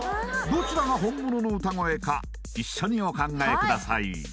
どちらが本物の歌声か一緒にお考えください